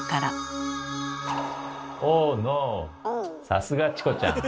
さすがチコちゃん。